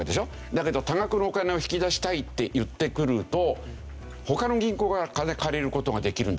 だけど多額のお金を引き出したいって言ってくると他の銀行から金借りる事ができるんですよ。